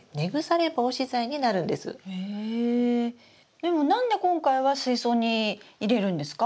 でも何で今回は水槽に入れるんですか？